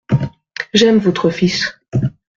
J'aime votre fils.